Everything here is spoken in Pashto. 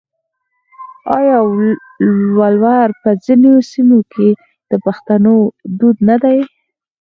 آیا ولور په ځینو سیمو کې د پښتنو دود نه دی؟